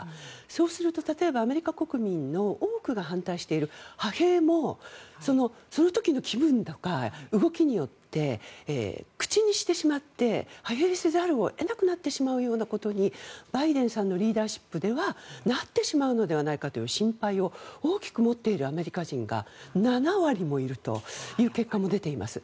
そうすると例えばアメリカ国民の多くが反対している派兵も、その時の気分とか動きによって、口にしてしまって派兵せざるを得なくなってしまうようなことにバイデンさんのリーダーシップではなってしまうのではないかという心配を大きく持っているアメリカ人が７割もいるという結果も出ています。